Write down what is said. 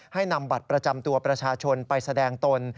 ให้นำบัตรประจำตัวประชาชนไปแสดงตน